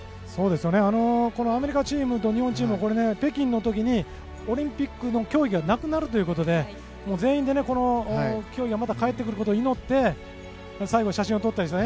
アメリカチームと日本チームは北京の時にオリンピックの競技がなくなるということで全員でね、この競技がまた帰ってくることを祈って最後写真を撮ったんですね。